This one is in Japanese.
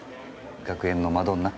学園のマドンナ？